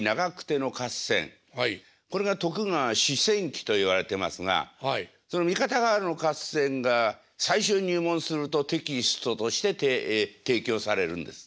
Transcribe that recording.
これが「徳川四戦記」といわれてますがその「三方ヶ原の合戦」が最初に入門するとテキストとして提供されるんです。